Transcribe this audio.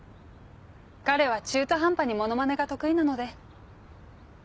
彼は中途半端にモノマネが得意なので。